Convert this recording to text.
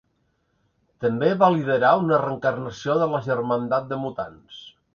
També va liderar una reencarnació de la Germandat de mutants.